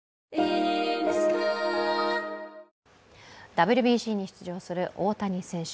ＷＢＣに出場する大谷選手。